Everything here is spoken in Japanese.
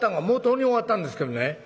「もうとうに終わったんですけどね